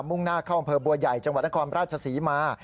่งหน้าเข้าอำเภอบัวใหญ่จังหวัดนครราชศรีมา